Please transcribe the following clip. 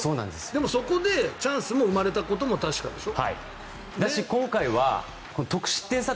でも、そこでチャンスが生まれたことも確かでしょ？